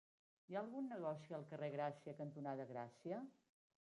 Hi ha algun negoci al carrer Gràcia cantonada Gràcia?